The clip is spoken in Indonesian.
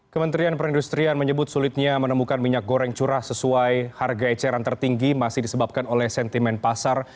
kementerian perindustrian menyebut sulitnya menemukan minyak goreng curah sesuai harga eceran tertinggi masih disebabkan oleh sentimen pasar